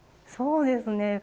そうですね。